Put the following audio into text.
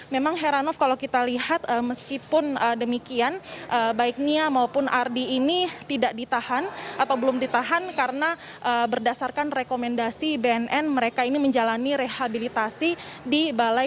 memang heranov kalau kita lihat meskipun demikian baik nia maupun ardi ini tidak ditahan atau belum ditahan karena berdasarkan rekomendasi bnn mereka ini menjalani rehabilitasi di balai